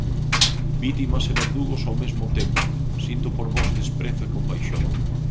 Vítimas e verdugos ao mesmo tempo, sinto por vós desprezo e compaixón